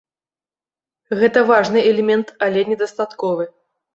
Гэта важны элемент, але недастатковы.